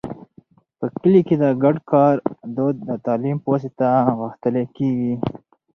په کلي کې د ګډ کار دود د تعلیم په واسطه غښتلی کېږي.